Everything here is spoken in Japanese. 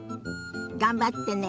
頑張ってね。